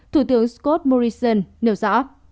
thủ tướng scott morrison nêu rõ